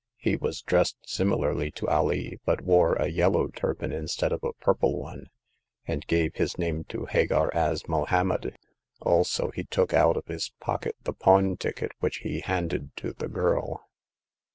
He was dressed similarly to Alee, but wore a yellow turban instead of a purple one, and gave his name to Hagar as Mohommed ; also, he took out of his pocket the pawn ticket, which he handed to the girl.